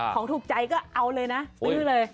ถูกใจก็เอาเลยนะซื้อเลย